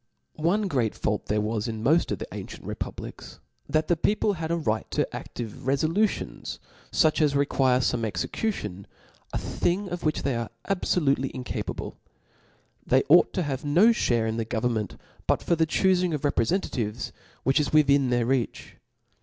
One great fault there was in moil of the ancient republics, that the people had a right to aAive refolutibnSf fuch as require fome execution, a xhing of which they are abfolutely incapable. They ought to have no (bare in the government but for the chufing of reprefentatives, which is within their reach.